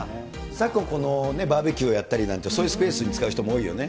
昨今、バーベキューやったりとか、そういうスペースに使う人も多いよね。